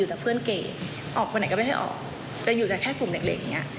แค่ของแต่กลุ่มเล็กอย่างอย่างนี้